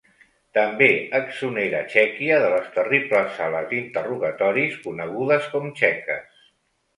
També exonera Txèquia de les terribles sales d'interrogatoris conegudes com txeques.